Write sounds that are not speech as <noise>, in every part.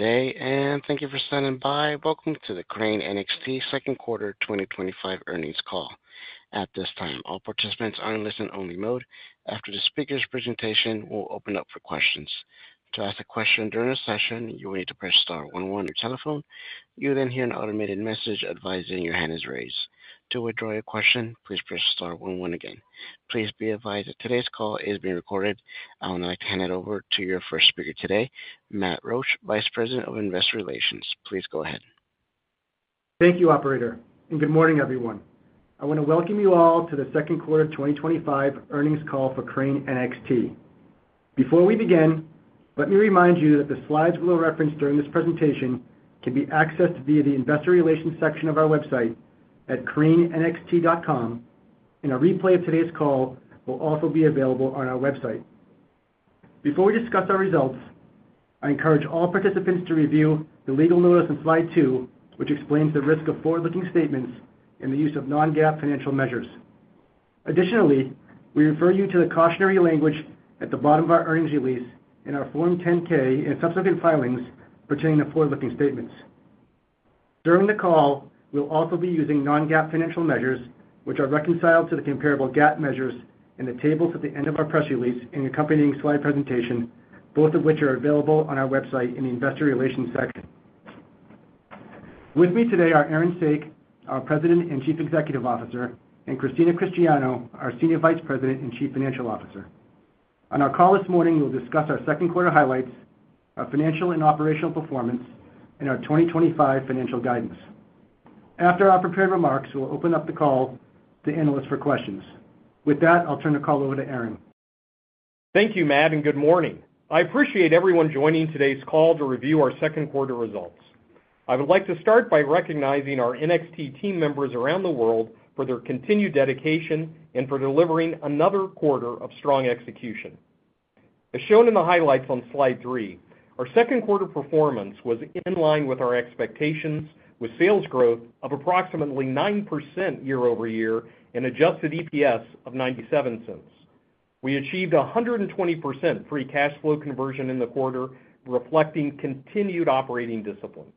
Today, and thank you for standing by. Welcome to the Crane NXT Second Quarter 2025 Earnings Call. At this time, all participants are in listen-only mode. After the speaker's presentation, we'll open up for questions. To ask a question during the session, you will need to press star one, one on your telephone. You'll then hear an automated message advising, your hand is raised. To withdraw your question, please press star one, one again. Please be advised that today's call is being recorded. I would like to hand it over to your first speaker today, Matt Roache, Vice President of Investor Relations. Please go ahead. Thank you, operator. Good morning, everyone. I want to welcome you all to the Second Quarter 2025 Earnings call for Crane NXT. Before we begin, let me remind you that the slides we will reference during this presentation can be accessed via the Investor Relations section of our website at cranenxt.com, and a replay of today's call will also be available on our website. Before we discuss our results, I encourage all participants to review the legal notice on slide two, which explains the risk of forward-looking statements and the use of non-GAAP financial measures. Additionally, we refer you to the cautionary language at the bottom of our earnings release, and our Form 10-K and subsequent filings pertaining to forward-looking statements. During the call, we'll also be using non-GAAP financial measures, which are reconciled to the comparable GAAP measures in the tables at the end of our press release and accompanying slide presentation, both of which are available on our website in the Investor Relations section. With me today are Aaron Saak, our President and Chief Executive Officer, and Christina Cristiano, our Senior Vice President and Chief Financial Officer. On our call this morning, we'll discuss our second quarter highlights, our financial and operational performance, and our 2025 financial guidance. After our prepared remarks, we'll open up the call to analysts for questions. With that, I'll turn the call over to Aaron. Thank you, Matt, and good morning. I appreciate everyone joining today's call to review our second quarter results. I would like to start by recognizing our NXT team members around the world, for their continued dedication and for delivering another quarter of strong execution. As shown in the highlights on slide three, our second quarter performance was in line with our expectations, with sales growth of approximately 9% year-over-year and adjusted EPS of $0.97. We achieved 120% free cash flow conversion in the quarter, reflecting continued operating discipline.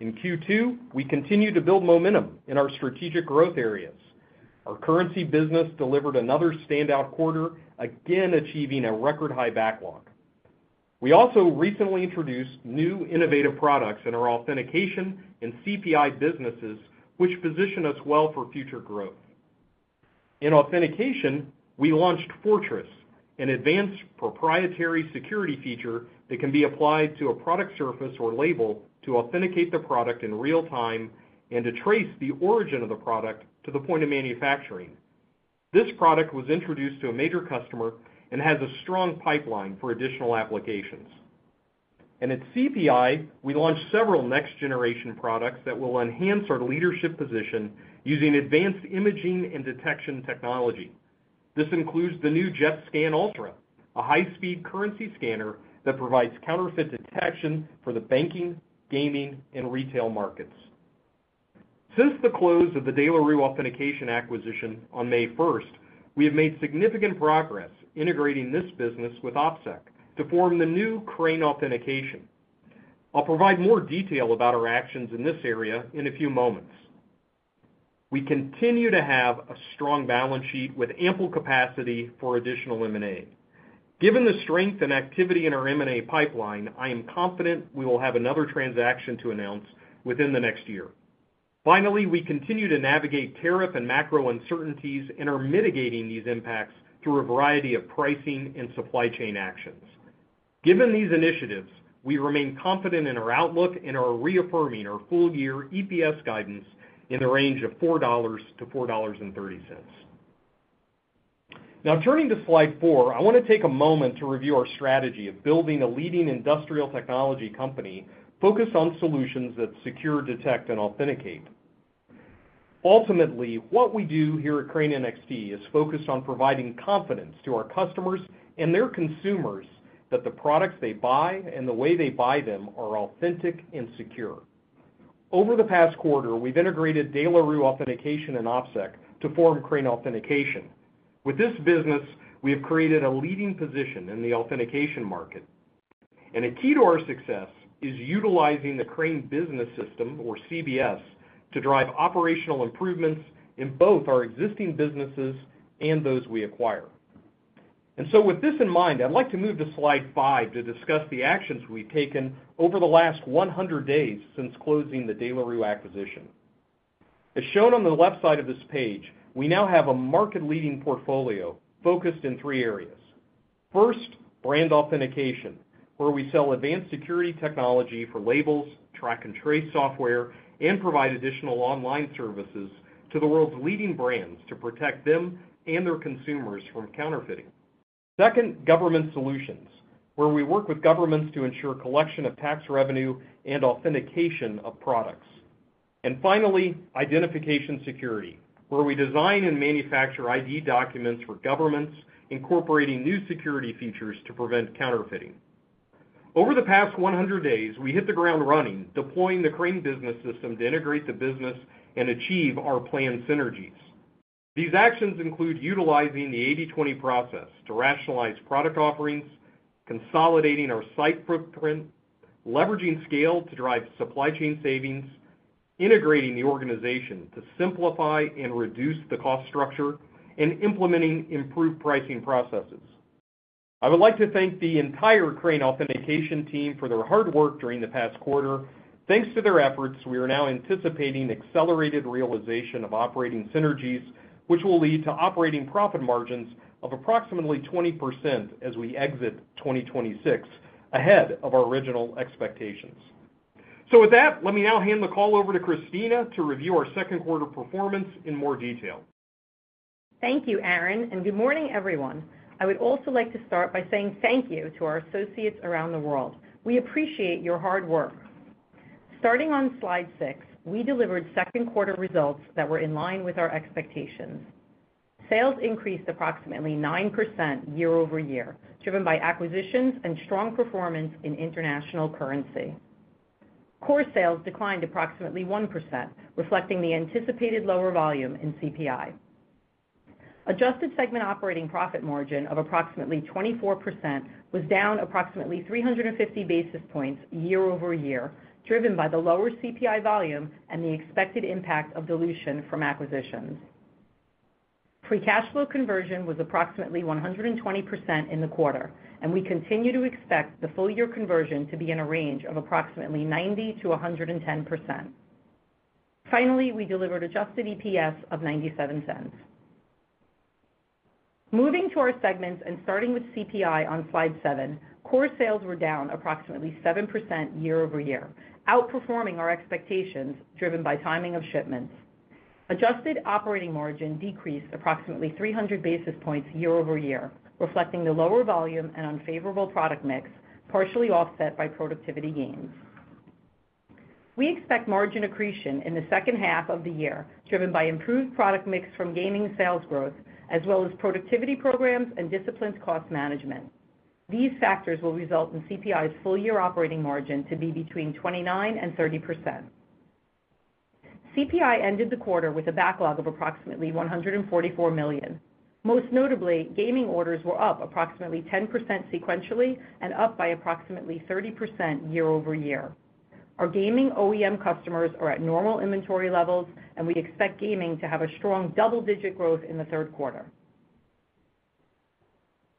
In Q2, we continued to build momentum in our strategic growth areas. Our currency business delivered another standout quarter, again achieving a record high backlog. We also recently introduced new innovative products in our authentication and CPI businesses, which position us well for future growth. In authentication, we launched Fortress, an advanced proprietary security feature that can be applied to a product surface or label to authenticate the product in real time and to trace the origin of the product to the point of manufacturing. This product was introduced to a major customer, and has a strong pipeline for additional applications. At CPI, we launched several next-generation products that will enhance our leadership position using advanced imaging and detection technology. This includes the new JetScan Ultra, a high-speed currency scanner that provides counterfeit detection for the banking, gaming, and retail markets. Since the close of the De La Rue Authentication acquisition on May 1st, we have made significant progress, integrating this business with OpSec to form the new Crane Authentication. I'll provide more detail about our actions in this area in a few moments. We continue to have a strong balance sheet with ample capacity for additional M&A. Given the strength and activity in our M&A pipeline, I am confident we will have another transaction to announce within the next year. Finally, we continue to navigate tariff and macro uncertainties, and are mitigating these impacts through a variety of pricing and supply chain actions. Given these initiatives, we remain confident in our outlook and are reaffirming our full-year EPS guidance in the range of $4-$4.30. Now, turning to slide four, I want to take a moment to review our strategy of building a leading industrial technology company, focused on solutions that secure, detect, and authenticate. Ultimately, what we do here at Crane NXT is focused on providing confidence to our customers and their consumers, that the products they buy and the way they buy them are authentic and secure. Over the past quarter, we've integrated De La Rue Authentication and OpSec to form Crane Authentication. With this business, we have created a leading position in the authentication market. A key to our success is utilizing the Crane Business System, or CBS, to drive operational improvements in both our existing businesses and those we acquire. With this in mind, I'd like to move to slide five to discuss the actions we've taken over the last 100 days since closing the De La Rue acquisition. As shown on the left side of this page, we now have a market-leading portfolio focused in three areas. First, brand authentication, where we sell advanced security technology for labels, track and trace software, and provide additional online services to the world's leading brands to protect them and their consumers from counterfeiting. Second, government solutions, where we work with governments to ensure collection of tax revenue and authentication of products. Finally, identification security, where we design and manufacture ID documents for governments, incorporating new security features to prevent counterfeiting. Over the past 100 days, we hit the ground running, deploying the Crane Business System to integrate the business and achieve our planned synergies. These actions include utilizing the 80-20 process, to rationalize product offerings, consolidating our site footprint, leveraging scale to drive supply chain savings, integrating the organization to simplify and reduce the cost structure, and implementing improved pricing processes. I would like to thank the entire Crane Authentication team for their hard work during the past quarter. Thanks to their efforts, we are now anticipating accelerated realization of operating synergies, which will lead to operating profit margins of approximately 20% as we exit 2026, ahead of our original expectations. With that, let me now hand the call over to Christina to review our second quarter performance in more detail. Thank you, Aaron. Good morning, everyone. I would also like to start by saying thank you to our associates around the world. We appreciate your hard work. Starting on slide six, we delivered second-quarter results that were in line with our expectations. Sales increased approximately 9% year-over-year, driven by acquisitions and strong performance in international currency. Core sales declined approximately 1%, reflecting the anticipated lower volume in CPI. Adjusted segment operating profit margin of approximately 24% was down approximately 350 basis points year-over-year, driven by the lower CPI volume and the expected impact of dilution from acquisitions. Free cash flow conversion was approximately 120% in the quarter, and we continue to expect the full-year conversion to be in a range of approximately 90%-110%. Finally, we delivered adjusted EPS of $0.97. Moving to our segments and starting with CPI on slide seven, core sales were down approximately 7% year-over-year, outperforming our expectations, driven by timing of shipments. Adjusted operating margin decreased approximately 300 basis points year-over-year, reflecting the lower volume and unfavorable product mix, partially offset by productivity gains. We expect margin accretion in the second half of the year, driven by improved product mix from gaming sales growth, as well as productivity programs and disciplined cost management. These factors will result in CPI's full-year operating margin to be between 29% and 30%. CPI ended the quarter with a backlog of approximately $144 million. Most notably, gaming orders were up approximately 10% sequentially, and up by approximately 30% year-over-year. Our gaming OEM customers are at normal inventory levels, and we'd expect gaming to have a strong double-digit growth in the third quarter.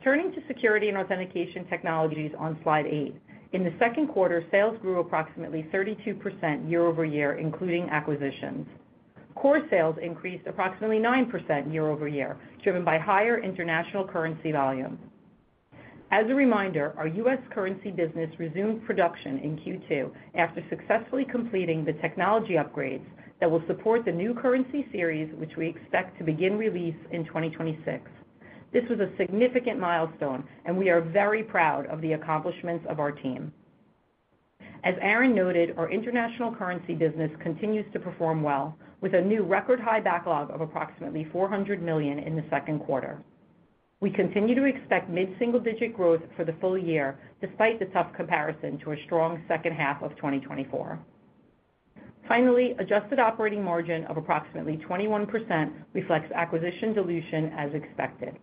Turning to Security and Authentication Technologies on slide eight, in the second quarter, sales grew approximately 32% year-over-year, including acquisitions. Core sales increased approximately 9% year-over-year, driven by higher international currency volume. As a reminder, our U.S. currency business resumed production in Q2, after successfully completing the technology upgrades that will support the new currency series, which we expect to begin release in 2026. This was a significant milestone, and we are very proud of the accomplishments of our team. As Aaron noted, our international currency business continues to perform well, with a new record high backlog of approximately $400 million in the second quarter. We continue to expect mid-single-digit growth for the full year, despite the tough comparison to a strong second half of 2024. Finally, adjusted operating margin of approximately 21% reflects acquisition dilution as expected.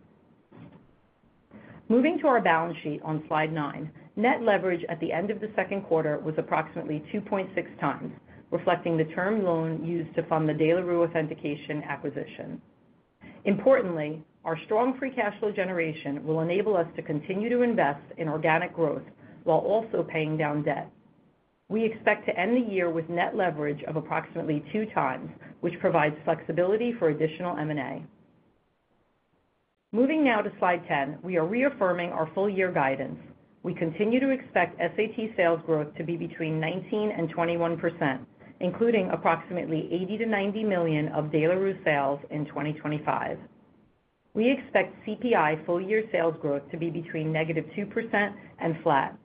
Moving to our balance sheet on slide nine, net leverage at the end of the second quarter was approximately 2.6x, reflecting the term loan used to fund the De La Rue Authentication acquisition. Importantly, our strong free cash flow generation will enable us to continue to invest in organic growth, while also paying down debt. We expect to end the year with net leverage of approximately 2x, which provides flexibility for additional M&A. Moving now to slide 10, we are reaffirming our full-year guidance. We continue to expect SAT sales growth to be between 19% and 21%, including approximately $80 million-$90 million of De La Rue sales in 2025. We expect CPI full-year sales growth to be between negative 2% and flat.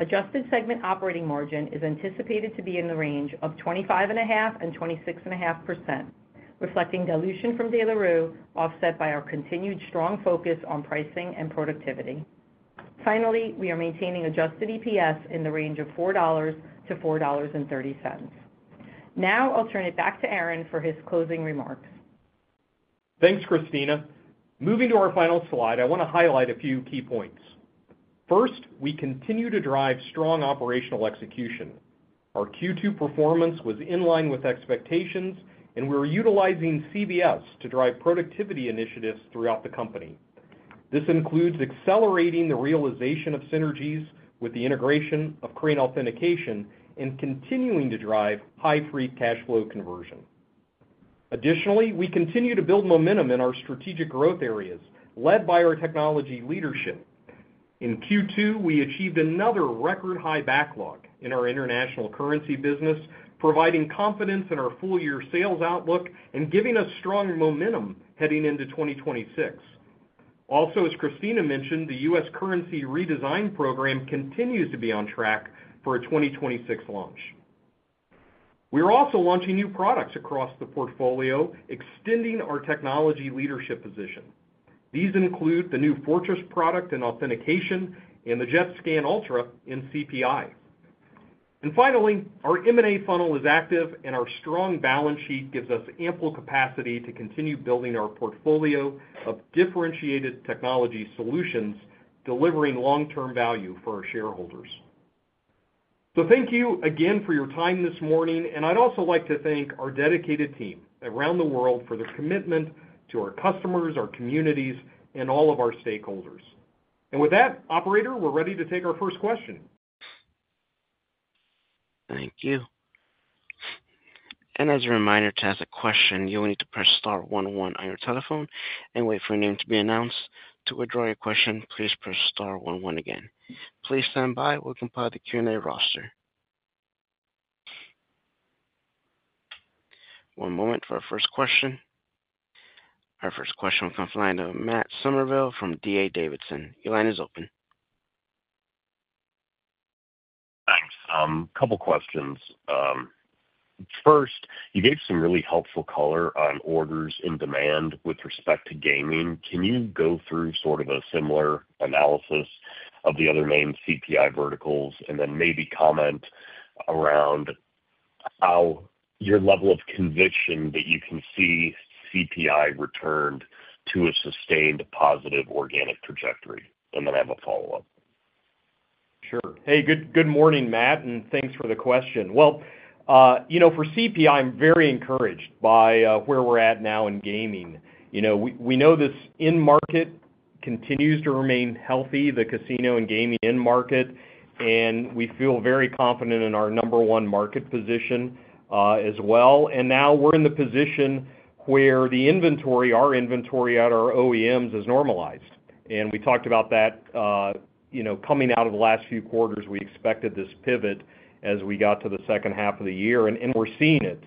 Adjusted segment operating margin is anticipated to be in the range of 25.5%-26.5%, reflecting dilution from De La Rue, offset by our continued strong focus on pricing and productivity. Finally, we are maintaining adjusted EPS in the range of $4-$4.30. Now, I'll turn it back to Aaron for his closing remarks. Thanks, Christina. Moving to our final slide, I want to highlight a few key points. First, we continue to drive strong operational execution. Our Q2 performance was in line with expectations, and we're utilizing CBS to drive productivity initiatives throughout the company. This includes accelerating the realization of synergies with the integration of Crane Authentication. and continuing to drive high free cash flow conversion. Additionally, we continue to build momentum in our strategic growth areas, led by our technology leadership. In Q2, we achieved another record high backlog in our international currency business, providing confidence in our full-year sales outlook and giving us strong momentum heading into 2026. Also, as Christina mentioned, the U.S. currency redesign program continues to be on track for a 2026 launch. We are also launching new products across the portfolio, extending our technology leadership position. These include the new Fortress product in authentication and the JetScan Ultra in CPI. Our M&A funnel is active, and our strong balance sheet gives us ample capacity to continue building our portfolio of differentiated technology solutions, delivering long-term value for our shareholders. Thank you again for your time this morning, and I'd also like to thank our dedicated team around the world for their commitment to our customers, our communities, and all of our stakeholders. With that, operator, we're ready to take our first question. Thank you. As a reminder, to ask a question, you will need to press star one, one on your telephone and wait for your name to be announced. To withdraw your question, please press star one, one again. Please stand by. We'll compile the Q&A roster. One moment for our first question. Our first question will come from the line of Matt Summerville from D.A. Davidson. Your line is open. Thanks. A couple questions. First, you gave some really helpful color on orders in demand with respect to gaming. Can you go through a similar analysis of the other named CPI verticals, and then maybe comment around how your level of conviction that you can see CPI returned to a sustained positive organic trajectory? I have a follow-up. Sure. Good morning, Matt, and thanks for the question. For CPI, I'm very encouraged by where we're at now in gaming. We know this in-market continues to remain healthy, the casino and gaming in-market. We feel very confident in our number one market position as well. Now we're in the position where our inventory at our OEMs has normalized. We talked about that coming out of the last few quarters. We expected this pivot as we got to the second half of the year, and we're seeing it.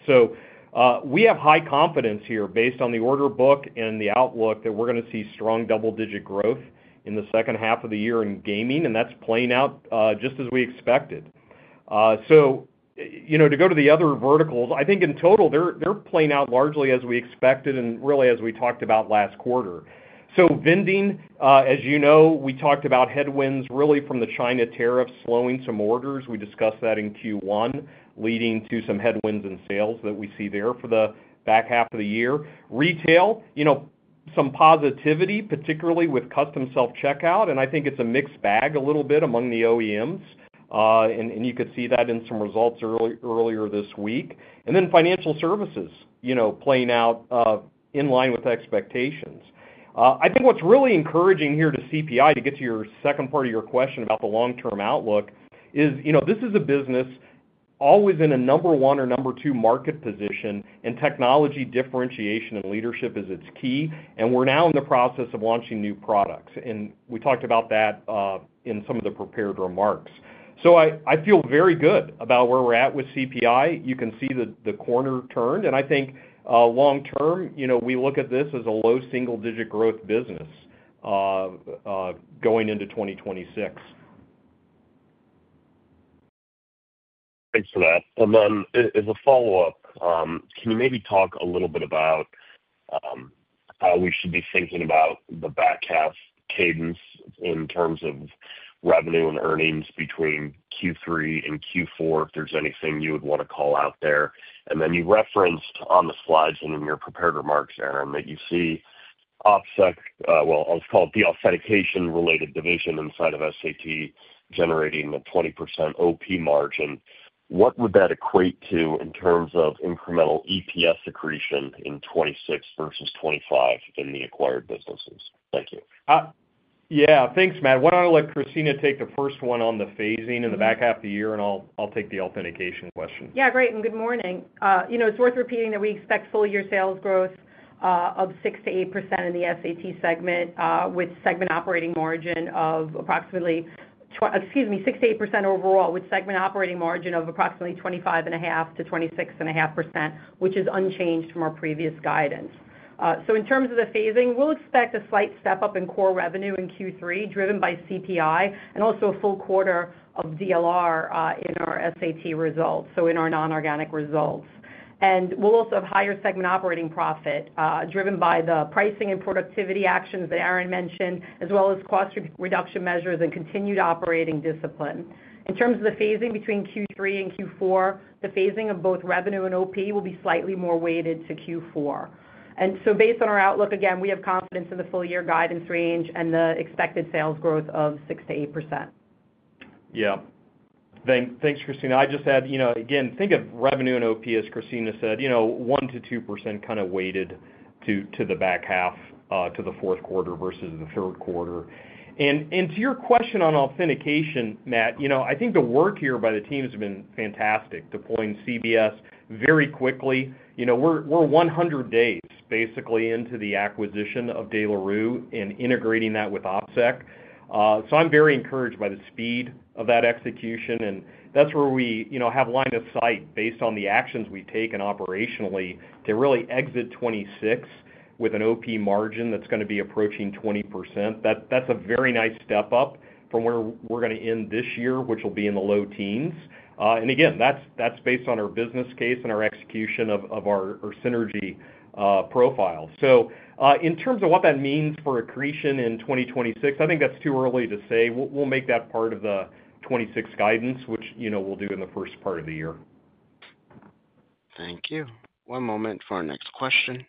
We have high confidence here based on the order book and the outlook, that we're going to see strong double-digit growth in the second half of the year in gaming and that's playing out just as we expected. To go to the other verticals, I think in total, they're playing out largely as we expected and really as we talked about last quarter. Vending, as you know, we talked about headwinds from the China tariffs slowing some orders. We discussed that in Q1, leading to some headwinds in sales that we see there for the back half of the year. Retail, some positivity particularly with custom self-checkout, and I think it's a mixed bag a little bit among the OEMs and you could see that in some results earlier this week. Financial services, playing out in line with expectations. I think what's really encouraging here to CPI, to get to your second part of your question about the long-term outlook, is this is a business, always in a number one or number two market position, and technology differentiation and leadership is its key. We're now in the process of launching new products, and we talked about that in some of the prepared remarks. I feel very good about where we're at with CPI. You can see the corner turned, and I think long-term, we look at this as a low single-digit growth business going into 2026. Thanks for that. As a follow-up, can you maybe talk a little bit about how we should be thinking about the back half cadence in terms of revenue and earnings between Q3 and Q4, if there's anything you would want to call out there? You referenced on the slides and in your prepared remarks, Aaron, that you see OpSec, I'll just call it the authentication-related division inside of SAT, generating a 20% OP margin. What would that equate to in terms of incremental EPS accretion in 2026 versus 2025 in the acquired businesses? Thank you. Yeah. Thanks, Matt. Why don't I let Christina take the first one on the phasing in the back half of the year, and I'll take the authentication question? Yeah, great, and good morning. It's worth repeating that we expect full-year sales growth of 6%-8% overall, with segment operating margin of appQ3,roximately 25.5%-26.5%, which is unchanged from our previous guidance. In terms of the phasing, we'll expect a slight step up in core revenue in driven by CPI, and also a full quarter of DLR in our SAT results, in our non-organic results. We'll also have higher segment operating profit, driven by the pricing and productivity actions that Aaron mentioned, as well as cost reduction measures and continued operating discipline. In terms of the phasing between Q3 and Q4, the phasing of both revenue and OP will be slightly more weighted to Q4. Based on our outlook, we have confidence in the full-year guidance range and the expected sales growth of 6%-8%. Yeah. Thanks, Christina. I just had, again, think of revenue and OP, as Christina said, you know, 1%-2% kind of weighted to the back half to the fourth quarter versus the third quarter. To your question on authentication, Matt, I think the work here by the teams has been fantastic, deploying CBS very quickly. We're 100 days basically into the acquisition of De La Rue and integrating that with OpSec. I'm very encouraged by the speed of that execution, and that's where we have line of sight based on the actions we take operationally to really exit 2026 with an OP margin that's going to be approaching 20%. That's a very nice step up from where we're going to end this year, which will be in the low teens. That's based on our business case and our execution of our synergy profile. In terms of what that means for accretion in 2026, I think that's too early to say. We'll make that part of the 2026 guidance, which we'll do in the first part of the year. Thank you. One moment for our next question.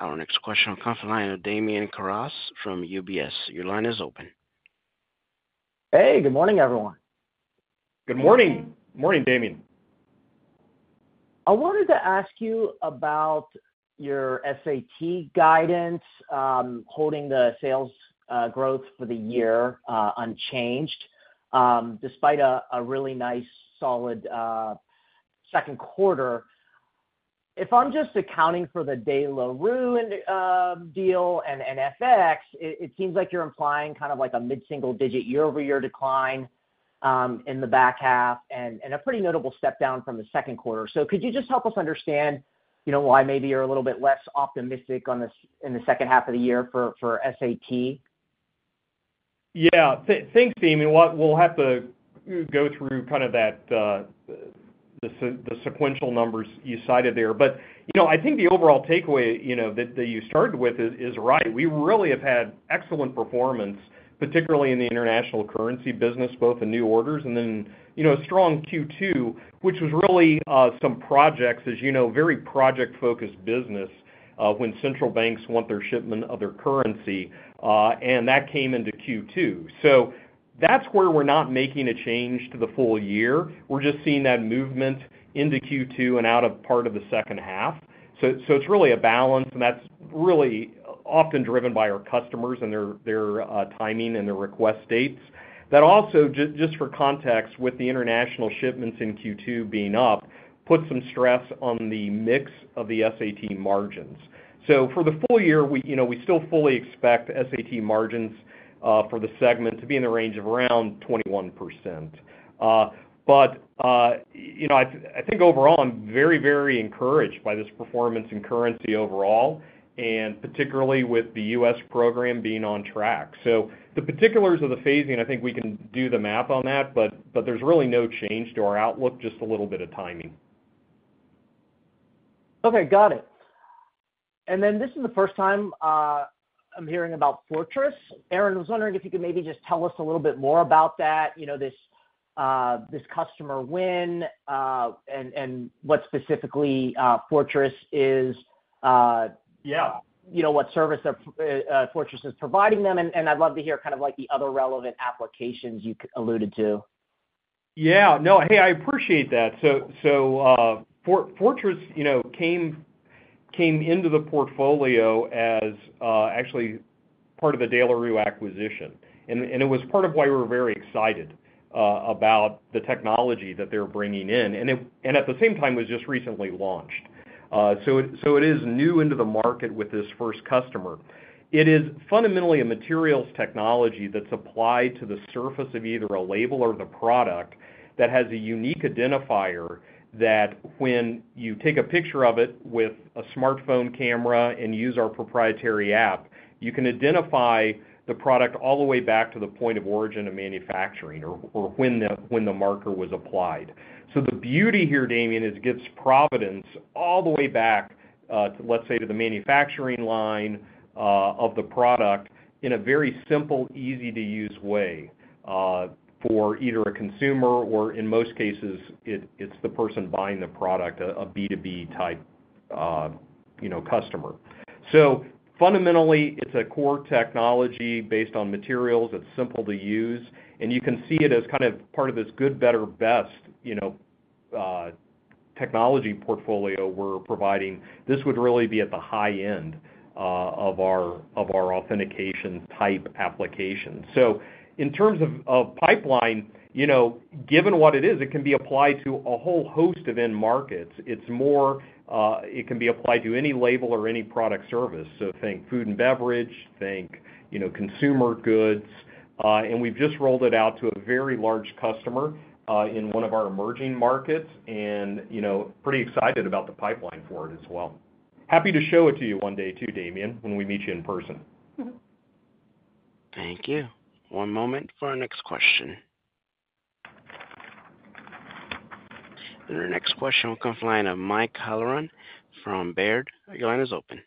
Our next question will come from the line of Damian Carrasque from UBS. Your line is open. Hey. Good morning, everyone. Good morning. Morning, Damian. I wanted to ask you about your SAT guidance, holding the sales growth for the year unchanged, despite a really nice, solid second quarter. If I'm just accounting for the De La Rue deal and FX, it seems like you're implying like a mid-single-digit year-over-year decline in the back half and a pretty notable step down from the second quarter. Could you just help us understand why maybe you're a little bit less optimistic in the second half of the year for SAT? Yeah, thanks, Damian. We'll have to go through the sequential numbers you cited there. I think the overall takeaway that you started with is right. We really have had excellent performance, particularly in the international currency business, both in new orders and then a strong Q2, which as you know, very project-focused business when central banks want their shipment of their currency. That came into Q2. That's where we're not making a change to the full year. We're just seeing that movement into Q2 and out of part of the second half. It's really a balance, and that's really often driven by our customers and their timing and their request dates. That also, just for context, with the international shipments in Q2 being up, puts some stress on the mix of the SAT margins. For the full year, we still fully expect SAT margins for the segment to be in the range of around 21%. I think overall, I'm very, very encouraged by this performance in currency overall, and particularly with the U.S. program being on track. The particulars of the phasing, I think we can do the math on that, but there's really no change to our outlook, just a little bit of timing. Okay, got it. This is the first time I'm hearing about Fortress. Aaron, I was wondering if you could maybe just tell us a little bit more about that, this customer win and what specifically Fortress is, what service Fortress is providing them. I'd love to hear the other relevant applications you alluded to. Yeah. No. Hey, I appreciate that. Fortress came into the portfolio as actually part of the De La Rue acquisition. It was part of why we were very excited about the technology that they're bringing in. At the same time, it was just recently launched. It is new into the market with this first customer. It is fundamentally a materials technology that's applied to the surface of either a label or the product that has a unique identifier, that when you take a picture of it with a smartphone camera and use our proprietary app, you can identify the product all the way back to the point of origin and manufacturing or when the marker was applied. The beauty here, Damian, is it gets provenance all the way back, let's say to the manufacturing line of the product in a very simple, easy-to-use way for either a consumer or in most cases, it's the person buying the product, a B2B type customer. Fundamentally, it's a core technology based on materials that's simple to use. You can see it as part of this good, better or best technology portfolio we're providing. This would really be at the high end of our authentication-type application. In terms of pipeline, given what it is, it can be applied to a whole host of end markets. It can be applied to any label or any product service. Think food and beverage, think consumer goods. We've just rolled it out to a very large customer in one of our emerging markets, and pretty excited about the pipeline for it as well. Happy to show it to you one day too, Damian when we meet you in person. Thank you. One moment for our next question. Our next question will come from the line of Mike Halloran from Baird. Your line is open.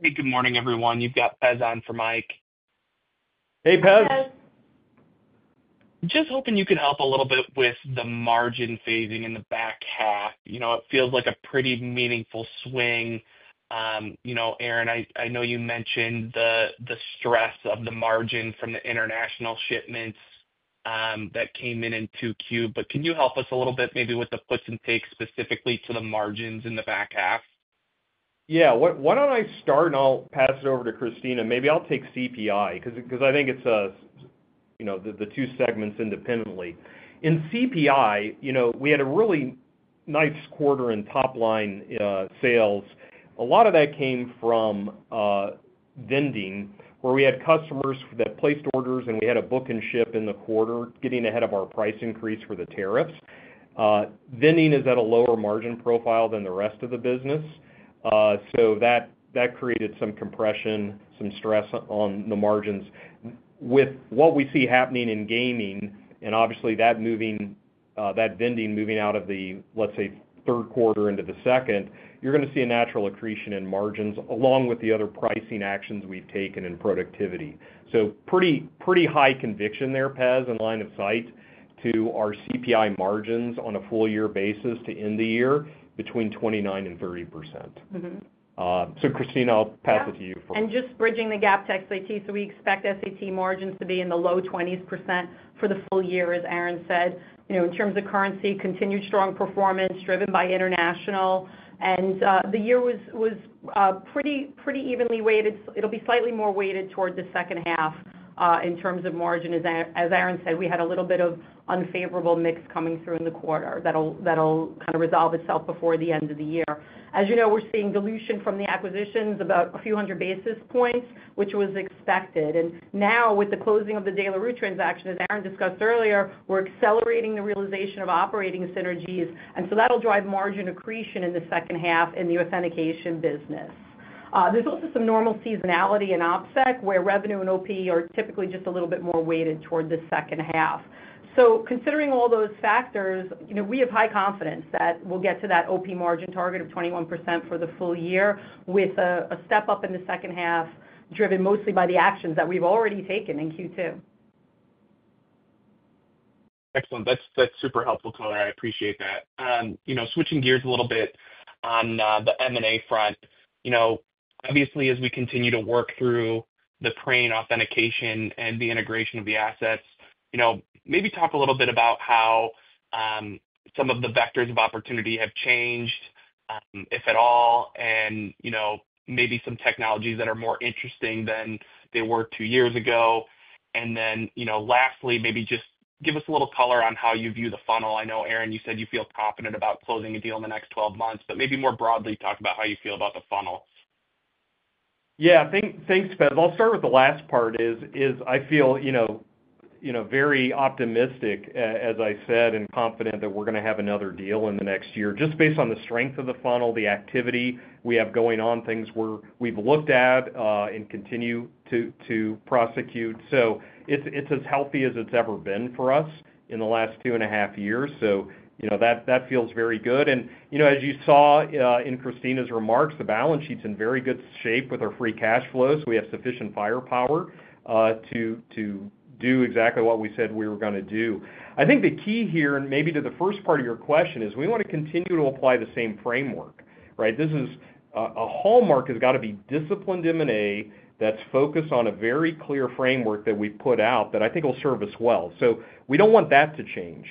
Hey. Good morning, everyone. You've got Pez on for Mike. Hey, Pez. Just hoping you could help a little bit with the margin phasing in the back half. It feels like a pretty meaningful swing. Aaron, I know you mentioned the stress of the margin from the international shipments that came in in Q2, but can you help us a little bit maybe with the puts and takes specifically to the margins in the back half? Why don't I start, and I'll pass it over to Christina? Maybe I'll take CPI because I think they're two segments independently. In CPI, we had a really nice quarter in top-line sales. A lot of that came from vending, where we had customers that placed orders and we had a book and ship in the quarter, getting ahead of our price increase for the tariffs. Vending is at a lower margin profile than the rest of the business, so that created some compression, some stress on the margins. With what we see happening in gaming, and obviously that vending moving out of the, let's say, third quarter into the second, you're going to see a natural accretion in margins along with the other pricing actions we've taken in productivity. Pretty high conviction there, Pez in line of sight to our CPI margins on a full-year basis to end the year between 29% and 30%. Christina, I'll pass it to you. Just bridging the gap to SAT, so we expect SAT margins to be in the low 20% for the full year, as Aaron said. In terms of currency, continued strong performance driven by international, and the year was pretty evenly weighted. It'll be slightly more weighted towards the second half in terms of margin. As Aaron said, we had a little bit of unfavorable mix coming through in the quarter that'll resolve itself before the end of the year. As you know, we're seeing dilution from the acquisitions about a few hundred basis points, which was expected. Now, with the closing of the De La Rue transaction, as Aaron discussed earlier, we're accelerating the realization of operating synergies, and so that'll drive margin accretion in the second half in the authentication business. There's also some normal seasonality in OpSec, where revenue and OP are typically just a little bit more weighted toward the second half. Considering all those factors, we have high confidence that we'll get to that OP margin target of 21% for the full year, with a step up in the second half driven mostly by the actions that we've already taken in Q2. Excellent. That's super helpful color. I appreciate that. Switching gears a little bit on the M&A front, obviously as we continue to work through the Crane Authentication and the integration of the assets, maybe talk a little bit about how some of the vectors of opportunity have changed, if at all, and maybe some technologies that are more interesting than they were two years ago. Lastly, maybe just give us a little color on how you view the funnel. I know Aaron, you said you feel confident about closing a deal in the next 12 months, but maybe more broadly talk about how you feel about the funnel. Yeah. Thanks, Pez. I'll start with the last part. I feel very optimistic, as I said, and confident that we're going to have another deal in the next year, just based on the strength of the funnel, the activity we have going on, things we've looked at and continue to prosecute. It's as healthy as it's ever been for us in the last two and a half years. That feels very good. As you saw in Christina's remarks, the balance sheet's in very good shape with our free cash flow. We have sufficient firepower to do exactly what we said we were going to do. I think the key here, and maybe to the first part of your question, is we want to continue to apply the same framework, right? This is a hallmark that's got to be disciplined M&A, that's focused on a very clear framework that we put out that I think will serve us well. We don't want that to change.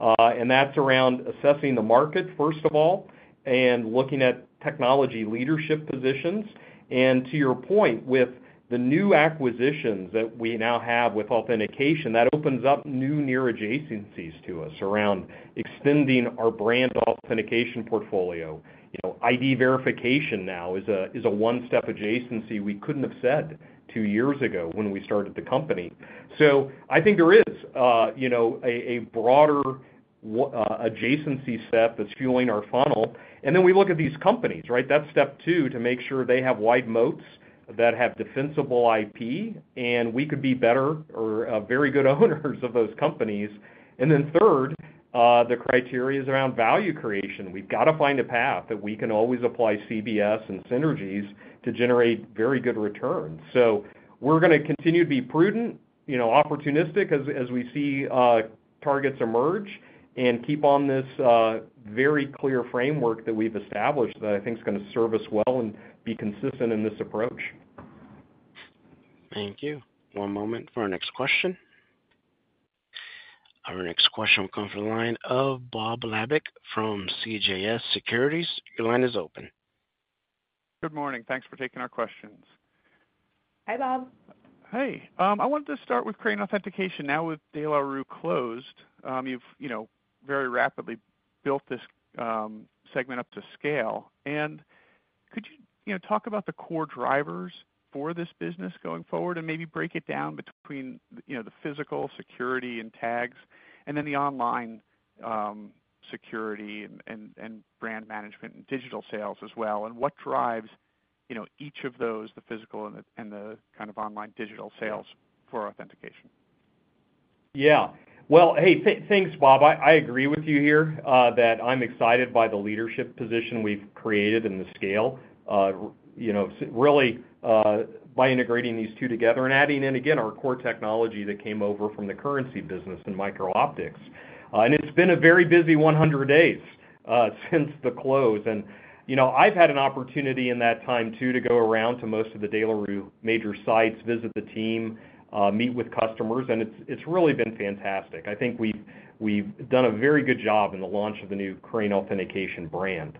That's around assessing the market first of all, and looking at technology leadership positions. To your point, with the new acquisitions that we now have with authentication, that opens up new near adjacencies to us around extending our brand authentication portfolio. ID verification now is a one-step adjacency we couldn't have said two years ago when we started the company. I think there is a broader adjacency step that's fueling our funnel. We look at these companies, that's step two, to make sure they have wide moats that have defensible IP and we could be better or very good owners of those companies. Third, the criteria is around value creation. We've got to find a path that we can always apply CBS and synergies to generate very good returns. We're going to continue to be prudent, opportunistic as we see targets emerge and keep on this very clear framework that we've established that I think is going to serve us well and be consistent in this approach. Thank you. One moment for our next question. Our next question will come from the line of Bob Labick from CJS Securities. Your line is open. Good morning. Thanks for taking our questions. Hey, Bob. Hey. I wanted to start with Crane Authentication. Now with De La Rue closed, you've very rapidly built this segment up to scale. Could you talk about the core drivers for this business going forward, and maybe break it down between the physical security and tags, and then the online security and brand management and digital sales as well? What drives each of those, the physical and the online digital sales for authentication? Yeah. Hey. Thanks, Bob. I agree with you here, that I'm excited by the leadership position we've created and the scale, really by integrating these two together and adding in again, our core technology that came over from the currency business and microoptics. It's been a very busy 100 days since the close. I've had an opportunity in that time to go around to most of the De La Rue major sites, visit the team, meet with customers and it's really been fantastic. I think we've done a very good job in the launch of the new Crane Authentication brand.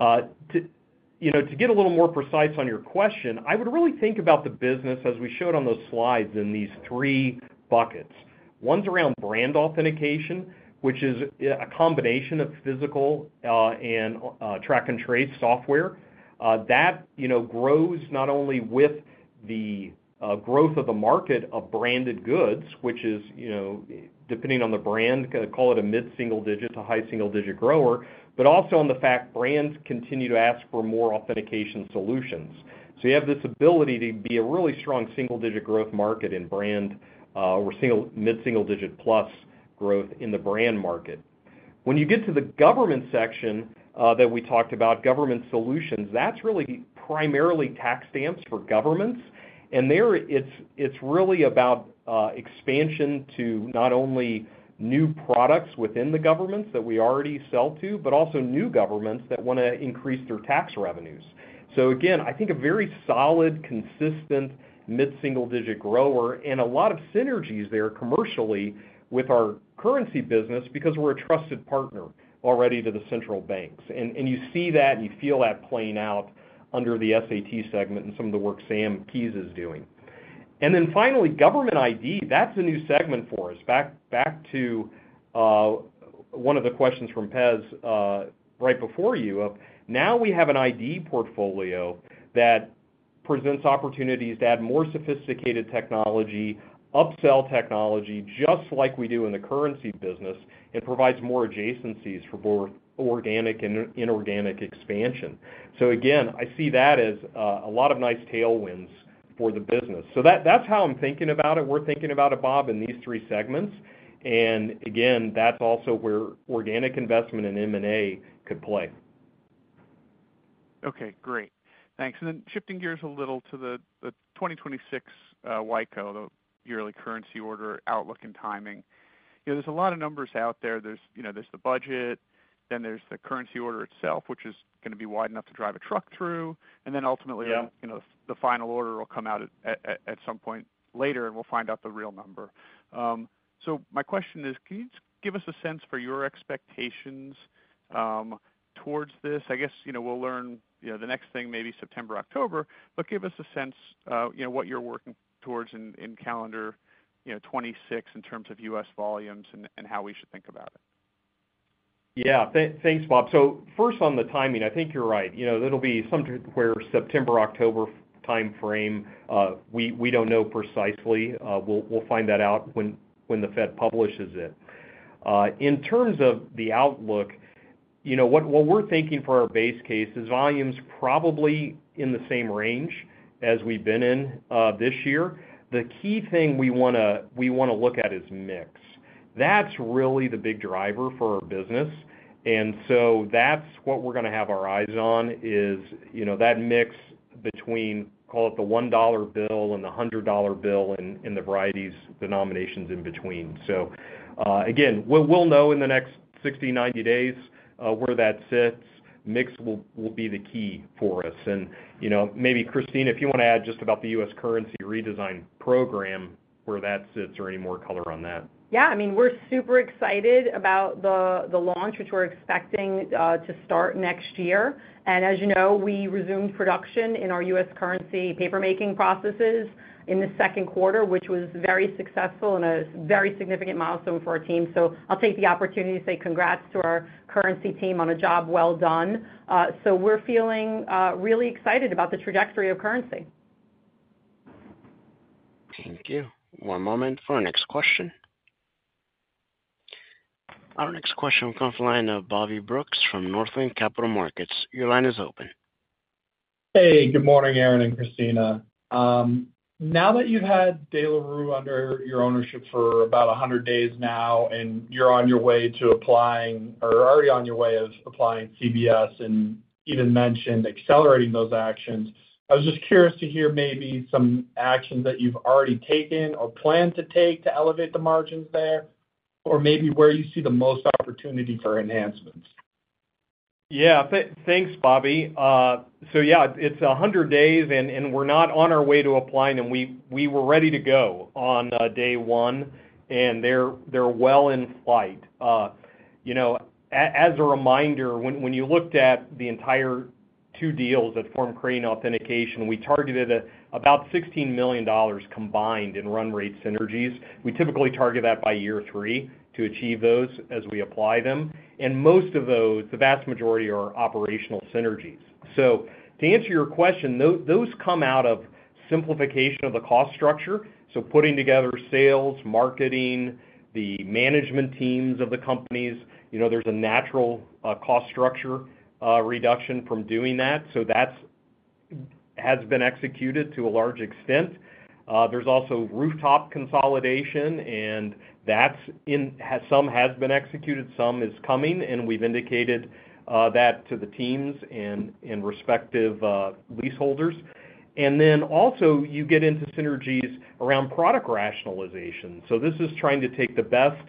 To get a little more precise on your question, I would really think about the business as we showed on those slides in these three buckets. One's around brand authentication, which is a combination of physical and track and trace software. That grows not only with the growth of the market of branded goods, which is, depending on the brand, call it a mid-single digit to high single-digit grower, but also on the fact, brands continue to ask for more authentication solutions. You have this ability to be a really strong single-digit growth market in brand or single mid-single digit plus growth in the brand market. When you get to the government section that we talked about, government solutions, that's really primarily tax stamps for governments. There, it's really about expansion to not only new products within the governments that we already sell to, but also new governments that want to increase their tax revenues. Again, I think a very solid, consistent mid-single digit grower and a lot of synergies there commercially with our currency business because we're a trusted partner already to the central banks. You see that and you feel that playing out under the SAT segment, and some of the work Sam Keayes is doing. Finally, government ID, that's a new segment for us. Back to one of the questions from Pez right before you. Now we have an ID portfolio that presents opportunities to add more sophisticated technology, upsell technology just like we do in the currency business, and provides more adjacencies for both organic and inorganic expansion. Again, I see that as a lot of nice tailwinds for the business. That's how I'm thinking about it. We're thinking about it, Bob in these three segments. That's also where organic investment in M&A could play. Okay, great. Thanks. Shifting gears a little to the 2026 [WICO], the yearly currency order outlook and timing, there's a lot of numbers out there. There's the budget, then there's the currency order itself, which is going to be wide enough to drive a truck through. Ultimately, the final order will come out at some point later, and we'll find out the real number. My question is, can you give us a sense for your expectations towards this? I guess we'll learn the next thing maybe September, October, but give us a sense what you're working towards in calendar 2026 in terms of U.S. volumes and how we should think about it. Yeah, thanks, Bob. First on the timing, I think you're right. It'll be some <crosstalk> September, October timeframe, we don't know precisely. We'll find that out when the Fed publishes it. In terms of the outlook, what we're thinking for our base case is volumes probably in the same range as we've been in this year. The key thing we want to look at is mix. That's really the big driver for our business. That's what we're going to have our eyes on, is that mix between, call it the $1 bill and the $100 bill, and the varieties of denominations in between. Again, we'll know in the next 60, 90 days where that sits. Mix will be the key for us. Maybe Christina, if you want to add just about the U.S. currency redesign program, where that sits or any more color on that. Yeah. I mean, we're super excited about the launch, which we're expecting to start next year. As you know, we resumed production in our U.S. currency papermaking processes in the second quarter, which was very successful and a very significant milestone for our team. I'll take the opportunity to say congrats to our currency team on a job well done. We're feeling really excited about the trajectory of currency. Thank you. One moment for our next question. Our next question will come from the line of Bobby Brooks from Northland Capital Markets. Your line is open. Hey, good morning, Aaron and Christina. Now that you've had De La Rue under your ownership for about 100 days now and you're on your way to applying, or already on your way of applying CBS and even mentioned accelerating those actions, I was just curious to hear maybe some actions that you've already taken or plan to take to elevate the margins there, or maybe where you see the most opportunity for enhancements. Yeah. Thanks, Bobby. Yeah, it's 100 days and we're not on our way to applying, and we were ready to go on day one and they're well in flight. As a reminder, when you looked at the entire two deals that form Crane Authentication, we targeted about $16 million combined in run-rate synergies. We typically target that by year three, to achieve those as we apply them. Most of those, the vast majority, are operational synergies. To answer your question, those come out of simplification of the cost structure. Putting together sales, marketing, the management teams of the companies, there's a natural cost structure reduction from doing that. That has been executed to a large extent. There's also rooftop consolidation, and some has been executed, some is coming. We've indicated that to the teams and respective leaseholders. Also, you get into synergies around product rationalization. This is trying to take the best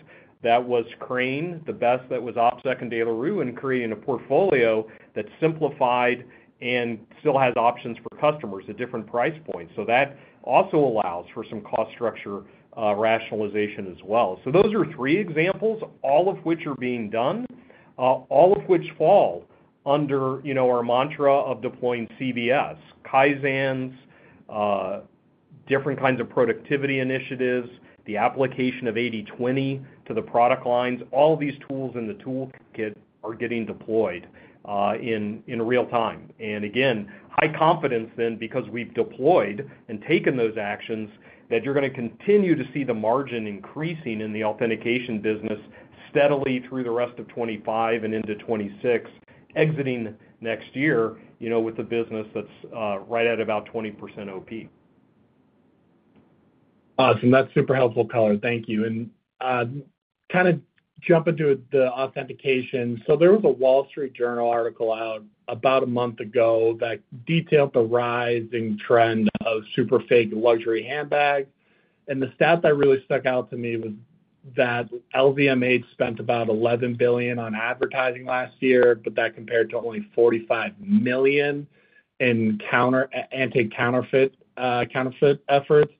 that was Crane, the best that was OpSec and De La Rue, and creating a portfolio that's simplified and still has options for customers at different price points. That also allows for some cost structure rationalization as well. Those are three examples, all of which are being done, all of which fall under our mantra of deploying CBS, Kaizens, different kinds of productivity initiatives, the application of 80-20 to the product lines. All of these tools in the toolkit are getting deployed in real time. Again, high confidence then, because we've deployed and taken those actions, that you're going to continue to see the margin increasing in the authentication business steadily through the rest of 2025 and into 2026, exiting next year with a business that's right at about 20% OP. Awesome. That's super helpful color. Thank you. I'll jump into the authentication. There was a Wall Street Journal article out about a month ago, that detailed the rising trend of super fake luxury handbags. The stats that really stuck out to me was that LVMH spent about $11 billion on advertising last year, but that compared to only $45 million in anti-counterfeit efforts.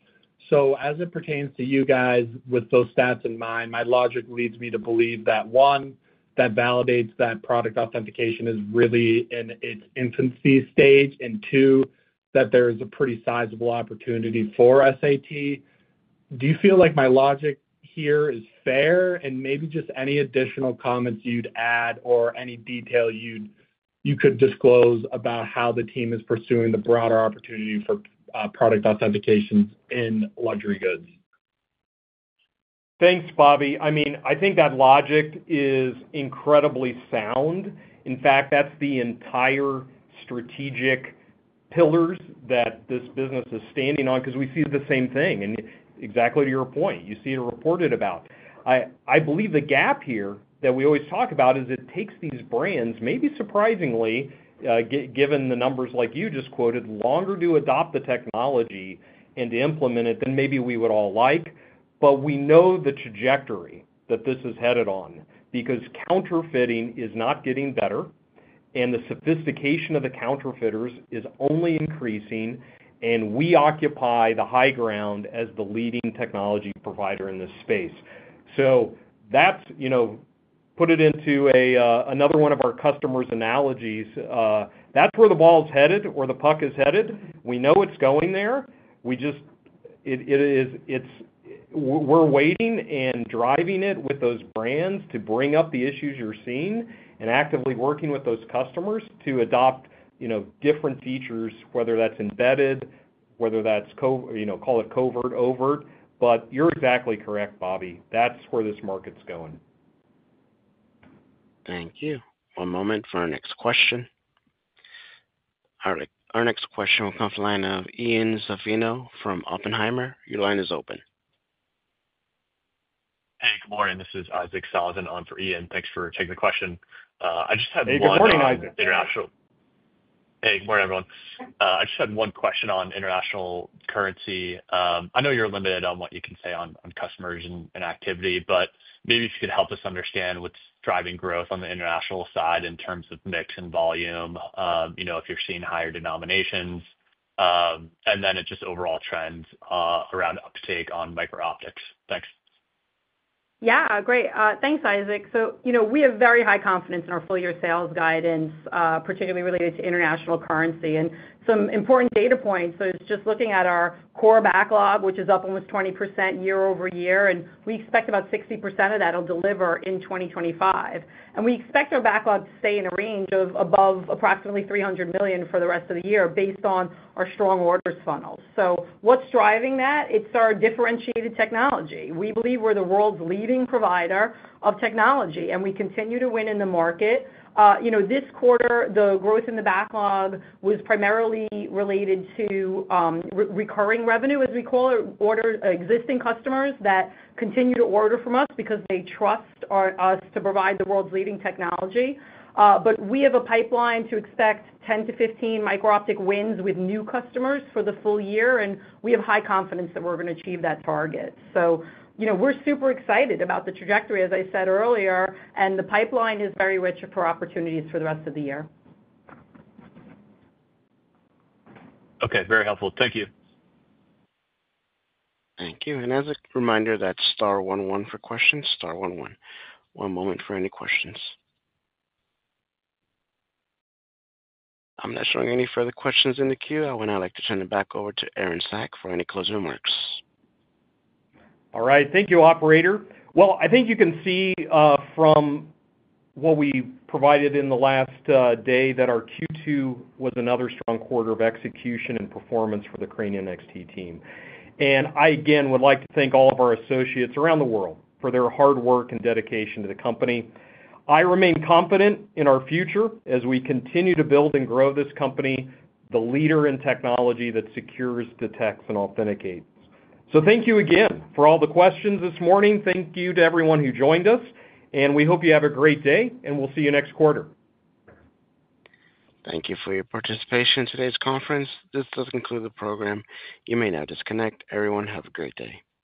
As it pertains to you guys, with those stats in mind, my logic leads me to believe that, one, that validates that product authentication is really in its infancy stage, and two, that there is a pretty sizable opportunity for SAT. Do you feel like my logic here is fair? Maybe just any additional comments you'd add or any detail you could disclose about how the team is pursuing the broader opportunity for product authentication in luxury goods? Thanks, Bobby. I think that logic is incredibly sound. In fact, that's the entire strategic pillars that this business is standing on because we see the same thing. Exactly to your point, you see it reported about. I believe the gap here that we always talk about is it takes these brands, maybe surprisingly, given the numbers like you just quoted, longer to adopt the technology and to implement it than maybe we would all like. We know the trajectory that this is headed on because counterfeiting is not getting better, and the sophistication of the counterfeiters is only increasing and we occupy the high ground as the leading technology provider in the space. To put it into another one of our customers' analogies, that's where the ball's headed or the puck is headed. We know it's going there. We're waiting and driving it with those brands to bring up the issues you're seeing, and actively working with those customers to adopt different features, whether that's embedded, whether that's, call it covert, overt. You're exactly correct, Bobby. That's where this market's going. Thank you. One moment for our next question. Our next question will come from the line of Ian Zaffino from Oppenheimer. Your line is open. Hey, good morning. This is Isaac Sellhausen on for Ian. Thanks for taking the question. I just had one. <crosstalk> Hey, good morning, Isaac. Hey. Good morning, everyone. I just had one question on international currency. I know you're limited on what you can say on customers and activity, but maybe if you could just help us understand what's driving growth on the international side in terms of mix and volume, if you're seeing higher denominations and then just overall trends around uptake on microoptics. Thanks. Yeah, great. Thanks, Isaac. We have very high confidence in our full-year sales guidance, particularly related to international currency and some important data points. It's just looking at our core backlog, which is up almost 20% year-over-year and we expect about 60% of that will deliver in 2025. We expect our backlog to stay in a range of above approximately $300 million for the rest of the year, based on our strong orders funnel. What's driving that? It's our differentiated technology. We believe we're the world's leading provider of technology, and we continue to win in the market. This quarter, the growth in the backlog was primarily related to recurring revenue, as we call it, existing customers that continue to order from us because they trust us to provide the world's leading technology. We have a pipeline to expect 10-15 microoptic wins with new customers for the full year, and we have high confidence that we're going to achieve that target. We're super excited about the trajectory, as I said earlier, and the pipeline is very rich for opportunities for the rest of the year. Okay, very helpful. Thank you. Thank you. As a reminder, that's star one, one for questions, star one, one. One moment for any questions. I'm not showing any further questions in the queue. I would now like to turn it back over to Aaron Saak for any closing remarks. All right.. Thank you, operator. I think you can see from what we provided in the last day, that our Q2 was another strong quarter of execution and performance for the Crane NXT team. I, again, would like to thank all of our associates around the world for their hard work and dedication to the company. I remain confident in our future as we continue to build and grow this company, the leader in technology that secures, detects, and authenticates. Thank you again for all the questions this morning. Thank you to everyone who joined us, and we hope you have a great day. We'll see you next quarter. Thank you for your participation in today's conference. This does conclude the program. You may now disconnect. Everyone, have a great day.